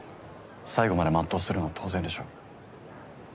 最後まで全うするのは当然でしょう。